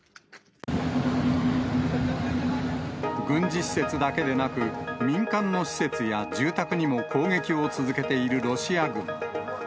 軍事施設だけでなく、民間の施設や住宅にも攻撃を続けているロシア軍。